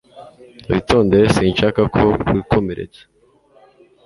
Witondere Sinshaka ko wikomeretsa